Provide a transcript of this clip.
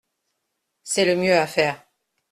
C’est le mieux à faire.